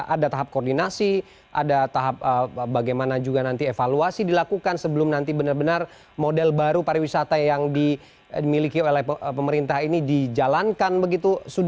ada tahap koordinasi ada tahap bagaimana juga nanti evaluasi dilakukan sebelum nanti benar benar model baru pariwisata yang dimiliki oleh pemerintah ini dijalankan begitu